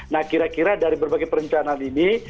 nah kira kira dari berbagai perencanaan ini